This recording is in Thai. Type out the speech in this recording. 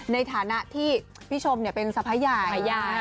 ในฐานะที่พี่ชมเป็นสะพ้ายใหญ่